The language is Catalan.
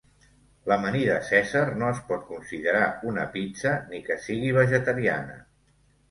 L'amanida cèsar no es pot considerar una pizza ni que sigui vegetariana.